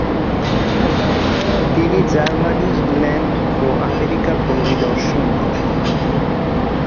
তিনি Germany, England ও America পরিদর্শন করেন।